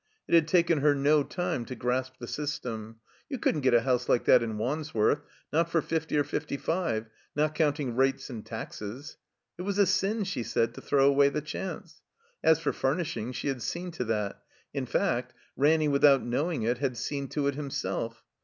It had taken her no time to grasp the system. You couldn't get a house like that in Wandsworth, not for fifty or fitfty five, not cotmting rates and taxes. It was a sin, ^e said, to throw away the chance. As for furnishing, she had seen to that. In fact, Ranny without knowing it had seen to it himself.